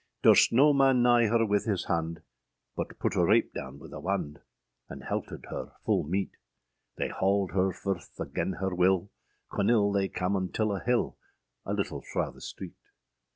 Durst noe man nighe her wyth his hande, But put a rape downe wyth a wande, And heltered her ful meete; They hauled her furth agen her wyll, Qunyl they cam until a hille, A little fra the streete.